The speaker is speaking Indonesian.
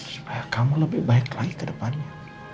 supaya kamu lebih baik lagi ke depannya